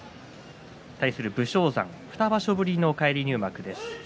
武将山は２場所ぶりの返り入幕です。